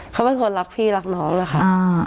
เขาเป็นคนรักพี่รักน้องอะค่ะ